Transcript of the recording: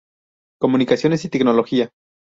Comunicaciones y Tecnología.